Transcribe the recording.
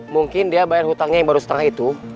mungkin dia bayar hutangnya yang baru setengah itu